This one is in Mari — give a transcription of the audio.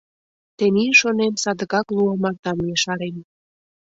Тений, шонем, садыгак лу омартам, ешарем».